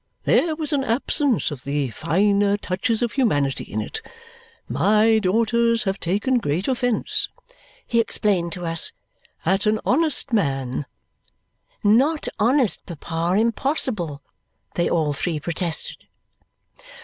There was an absence of the finer touches of humanity in it! My daughters have taken great offence," he explained to us, "at an honest man " "Not honest, papa. Impossible!" they all three protested.